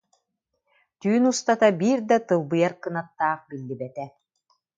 Түүн устата биир да тылбыйар кынаттаах биллибэтэ